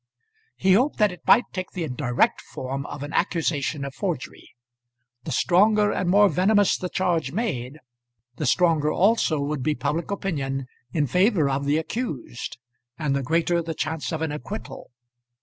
He hoped that it might take the direct form of an accusation of forgery. The stronger and more venomous the charge made, the stronger also would be public opinion in favour of the accused, and the greater the chance of an acquittal.